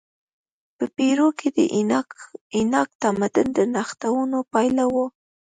په پیرو کې د اینکا تمدن د نوښتونو پایله وه.